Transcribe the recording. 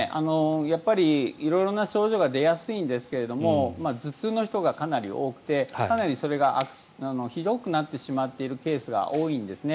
やっぱり色々な症状が出やすいんですが頭痛の人がかなり多くてかなりそれがひどくなってしまっているケースが多いんですね。